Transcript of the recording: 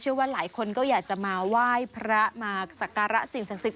ว่าหลายคนก็อยากจะมาไหว้พระมาสักการะสิ่งศักดิ์สิท